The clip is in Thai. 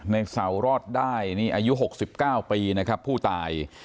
ในเสารอดได้นี่อายุ๖๙ปีนะครับผู้ตาย